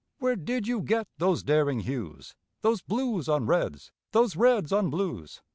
Where did you get those daring hues, Those blues on reds, those reds on blues?